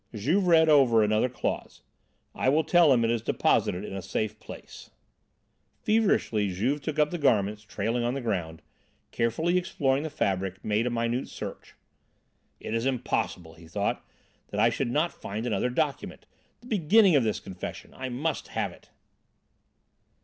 Juve read over another clause: "I will tell him it is deposited in a safe place." Feverishly Juve took up the garments trailing on the ground, carefully explored the fabric, made a minute search. "It is impossible," he thought, "that I should not find another document. The beginning of this confession I must have it!"